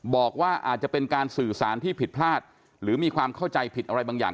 บอกว่าอาจจะเป็นการสื่อสารที่ผิดพลาดหรือมีความเข้าใจผิดอะไรบางอย่าง